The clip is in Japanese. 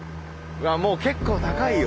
うわもう結構高いよ！